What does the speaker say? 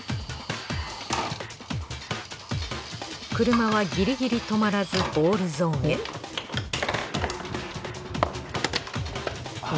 車はギリギリ止まらずボールゾーンへああ